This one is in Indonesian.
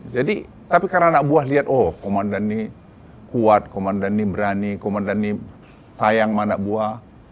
jadi tapi karena anak buah lihat oh komandan ini kuat komandan ini berani komandan ini sayang sama anak buah